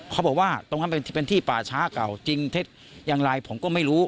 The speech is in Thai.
เขาบอกว่าตรงนั้นเป็นที่ป่าช้าเก่าจริงเท็จอย่างไรผมก็ไม่รู้